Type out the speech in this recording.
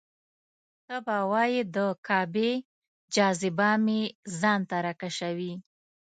ته به وایې د کعبې جاذبه مې ځان ته راکشوي.